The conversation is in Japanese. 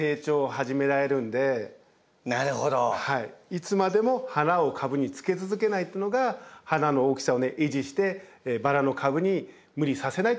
いつまでも花を株につけ続けないというのが花の大きさを維持してバラの株に無理させないってことですね。